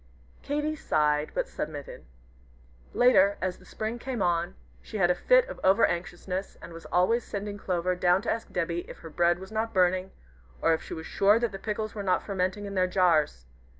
Katy sighed, but submitted. Later, as the Spring came on, she had a fit of over anxiousness, and was always sending Clover down to ask Debby if her bread was not burning, or if she was sure that the pickles were not fermenting in their jars?